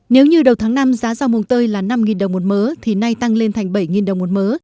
nếu như đầu tháng năm giá rau mùng tơi là năm đồng một mớ thì nay tăng lên thành bảy đồng một mớ